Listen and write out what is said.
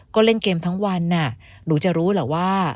ก็เล่นเกมทั้งวันหนูจะรู้เหรอว่า